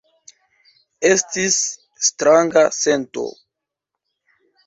Estis stranga sento.